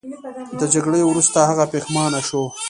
د جګړې وروسته هغه پښیمانه شو.